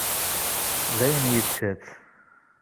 Dayen yečča-tt.